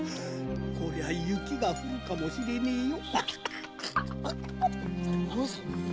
こりゃ雪が降るかもしれねえよ。